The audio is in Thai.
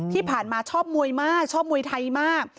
ที่ผ่านมาชอบมวยมากชอบมวยไทยมาก